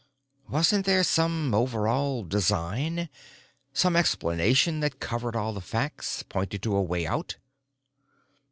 Wasn't there some overall design—some explanation that covered all the facts, pointed to a way out?